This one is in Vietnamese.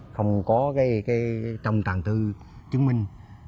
không có cái trong toàn thư chứng minh